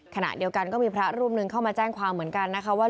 ขณะเดียวกันก็มีพระรูปหนึ่งเข้ามาแจ้งความเหมือนกันนะคะว่า